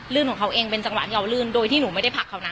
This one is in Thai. ของเขาเองเป็นจังหวะที่เขาลื่นโดยที่หนูไม่ได้ผลักเขานะ